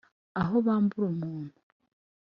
aho bambura umuntu